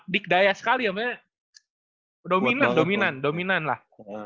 dikdaya sekali dominan dominan lah